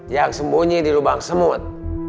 yang sembunyi di lubang semut